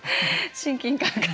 親近感が。